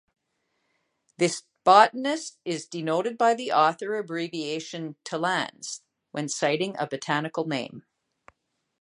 This botanist is denoted by the author abbreviation Tillandz when citing a botanical name.